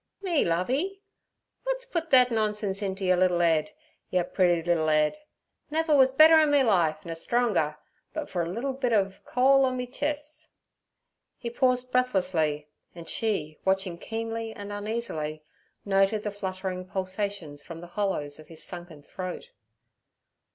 'Me, Lovey? Wut's put thet nonsense inter yer liddle 'ed—yer preddy liddle 'ed? Never wuz better in me life nur stronger, but fer a liddle bit ov cole on me ches'.' He paused breathlessly, and she, watching keenly and uneasily, noted the fluttering pulsations from the hollows of his sunken throat.